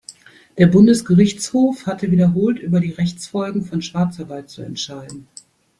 Der Bundesgerichtshof hatte wiederholt über die Rechtsfolgen von Schwarzarbeit zu entscheiden.